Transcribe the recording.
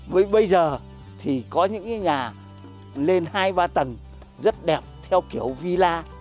với bây giờ thì có những nhà lên hai ba tầng rất đẹp theo kiểu villa